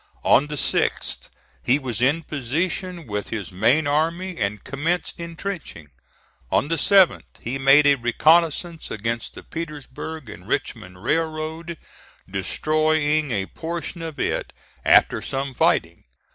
On the 6th, he was in position with his main army, and commenced intrenching. On the 7th he made a reconnoissance against the Petersburg and Richmond Railroad, destroying a portion of it after some fighting.